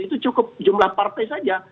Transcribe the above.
itu cukup jumlah partai saja